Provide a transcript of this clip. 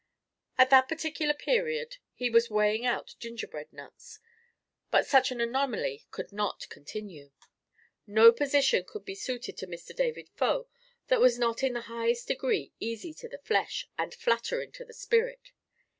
At that particular period he was weighing out gingerbread nuts; but such an anomaly could not continue. No position could be suited to Mr. David Faux that was not in the highest degree easy to the flesh and flattering to the spirit.